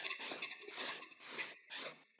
ჩართული იყო წინააღმდეგობის მოძრაობაში.